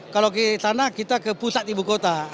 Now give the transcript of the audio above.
kalau ke sana kita ke pusat ibu kota